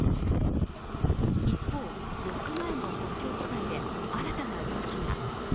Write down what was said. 一方、４日前の国境地帯で新たな動きが。